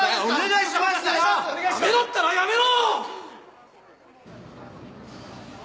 やめろったらやめろ！